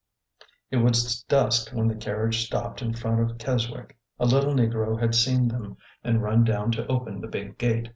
It was dusk when the carriage stopped in front of Kes wick. A little negro had seen them and run down to open the "big gate."